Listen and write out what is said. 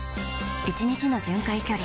１日の巡回距離